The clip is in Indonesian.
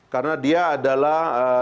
karena dia adalah